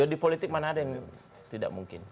di politik mana ada yang tidak mungkin